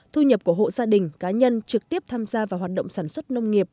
thu nhập của hộ gia đình cá nhân trực tiếp tham gia vào hoạt động sản xuất nông nghiệp